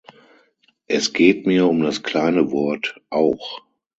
Es geht mir um das kleine Wort "auch".